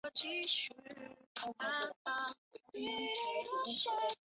吕德尔斯费尔德是德国下萨克森州的一个市镇。